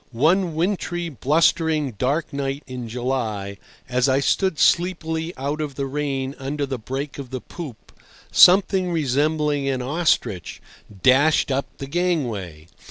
One wintry, blustering, dark night in July, as I stood sleepily out of the rain under the break of the poop something resembling an ostrich dashed up the gangway.